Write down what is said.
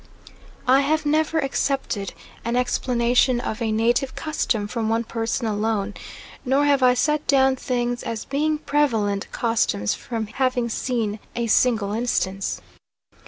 I have never accepted an explanation of a native custom from one person alone, nor have I set down things as being prevalent customs from having seen a single instance.